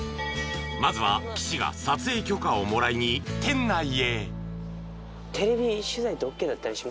［まずは岸が撮影許可をもらいに店内へ］